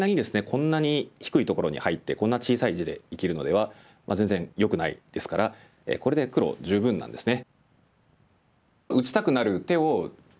こんなに低いところに入ってこんな小さい地で生きるのでは全然よくないですからこれで黒十分なんですね。